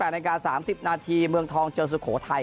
นาที๓๐นาทีเมืองทองเจอสุโขทัย